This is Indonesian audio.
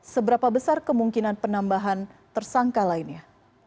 seberapa besar kemungkinan penambahan tersangka lainnya